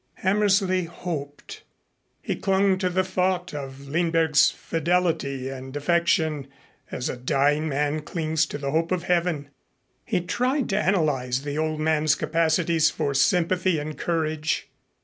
Hammersley hoped. He clung to the thought of Lindberg's fidelity and affection as a dying man clings to the hope of Heaven. He tried to analyze the old man's capacities for sympathy and courage.